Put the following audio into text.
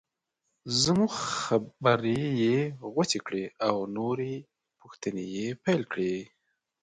زموږ خبرې یې غوڅې کړې او نورې پوښتنې یې پیل کړې.